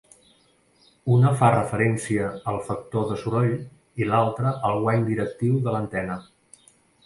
Una fa referència al factor de soroll i l'altra al guany directiu de l'antena.